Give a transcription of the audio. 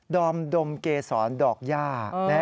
ดอมดมเกษรดอกหญ้า